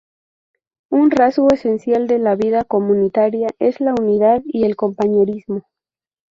Un rasgo esencial de la vida comunitaria es la unidad y el compañerismo.